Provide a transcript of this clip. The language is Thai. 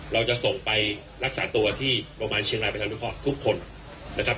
เราจะส่งไปรักษาตัวที่โรงพยาบาลเชียงรายประชานุเคราะห์ทุกคนนะครับ